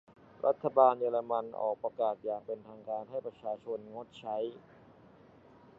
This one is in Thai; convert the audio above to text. รัฐบาลเยอรมันออกประกาศอย่างเป็นทางการให้ประชาชนงดใช้